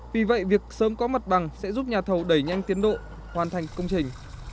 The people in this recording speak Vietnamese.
vì vậy việc sớm có mặt bằng sẽ giúp nhà thầu đẩy nhanh tiến độ hoàn thành công trình